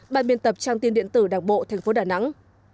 ban biên tập trang tin điện tử đảng bộ thành phố đà nẵng